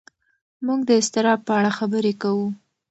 موږ د اضطراب په اړه خبرې کوو.